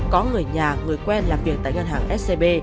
có người nhà người quen làm việc tại ngân hàng scb